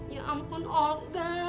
ya ampun olga